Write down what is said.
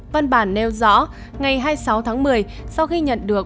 văn bản nêu rõ ngày hai mươi sáu tháng một mươi